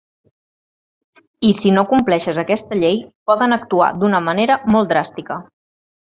I si no compleixes aquesta llei poden actuar d’una manera molt dràstica.